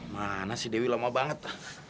mana si dewi lama banget